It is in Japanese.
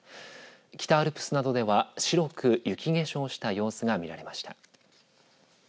北アルプスなどでは白く雪化粧した様子が見られました。